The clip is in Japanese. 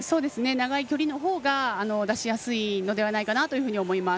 長い距離のほうが出しやすいのではないかなと思います。